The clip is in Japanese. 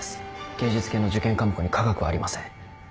芸術系の受験科目に化学はありません。